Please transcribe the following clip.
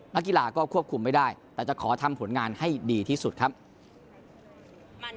นักกีฬาก็ควบคุมไม่ได้แต่จะขอทำผลงานให้ดีที่สุดครับ